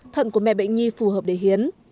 thận của mẹ bệnh nhi phù hợp để hiến